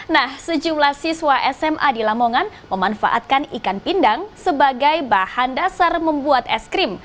nah sejumlah siswa sma di lamongan memanfaatkan ikan pindang sebagai bahan dasar membuat es krim